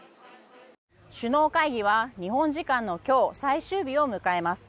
首脳会議は日本時間の今日最終日を迎えます。